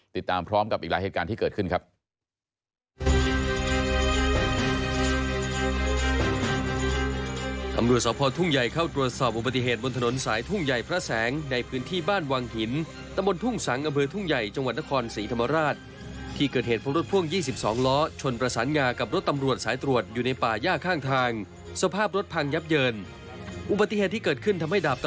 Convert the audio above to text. ติดตามพร้อมกับอีกหลายเหตุการณ์ที่เกิดขึ้นครับ